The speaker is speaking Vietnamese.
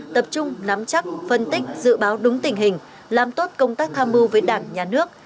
tập trung nắm chắc phân tích dự báo đúng tình hình làm tốt công tác tham mưu với đảng nhà nước